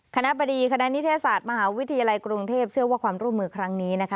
คณะบดีคณะนิเทศศาสตร์มหาวิทยาลัยกรุงเทพเชื่อว่าความร่วมมือครั้งนี้นะคะ